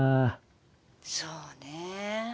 「そうね。